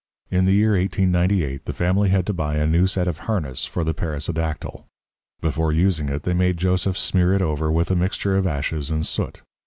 In the year 1898 the family had to buy a new set of harness for the Perissodactyl. Before using it they made Joseph smear it over with a mixture of ashes and soot.